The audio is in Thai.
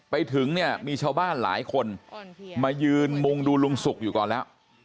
ไปถึงเนี่ยมีชาวบ้านหลายคนมายืนมุงดูลุงสุกอยู่ก่อนแล้ว